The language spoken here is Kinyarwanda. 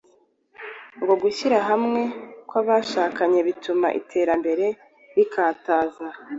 Ngo gushyira hamwe kw’abashakanye bituma iterambere rikataza.